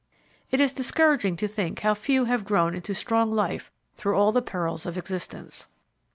It is discouraging to think how few have grown into strong life through all the perils of existence.